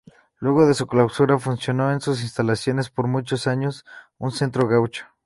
Luego de la clausura funcionó en sus instalaciones por muchos años un centro gaucho.